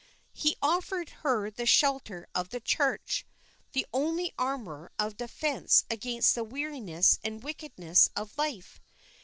He offered her the shelter of the Church, the only armour of defence against the weariness and wickedness of life.